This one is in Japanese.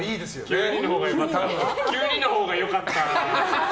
急にのほうが良かった！